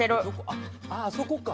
あああそこか！